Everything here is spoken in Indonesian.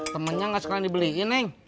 temennya gak suka dibeliin neng